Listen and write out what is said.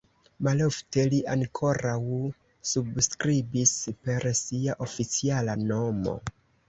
Malofte li ankoraŭ subskribis per sia oficiala nomo.